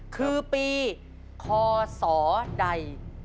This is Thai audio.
คือปีคศใด